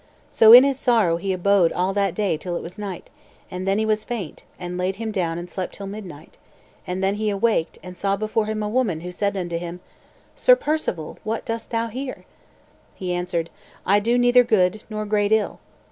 So in his sorrow he abode all that day till it was night; and then he was faint, and laid him down and slept till midnight; and then he awaked and saw before him a woman, who said unto him, "Sir Perceval, what dost thou here?" He answered, "I do neither good, nor great ill."